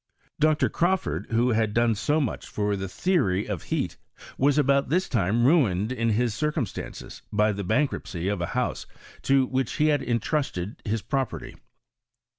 Dr. Crawford, who had doDe so much for the theory of heat, was about this time ruined iu his circumstances by [he bank ruptcy of a house to which he had intrusted his property.